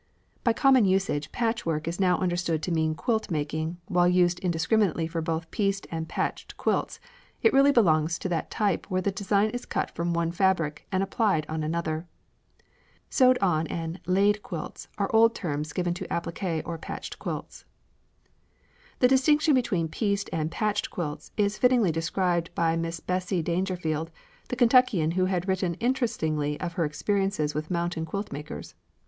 By common usage patchwork is now understood to mean quilt making, and while used indiscriminately for both pieced and patched quilts, it really belongs to that type where the design is cut from one fabric and applied upon another. "Sewed on" and "laid quilts" are old terms given to appliqué or patched quilts. The distinction between "pieced" and "patched" quilts is fittingly described by Miss Bessie Daingerfield, the Kentuckian who has written interestingly of her experiences with mountain quilt makers.